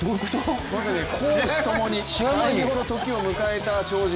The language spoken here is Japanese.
まさに公私ともに最良の時を迎えた超人。